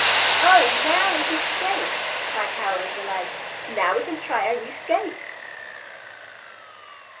"Oh, now we can skate!" cried Hal in delight, "Now we can try our new skates."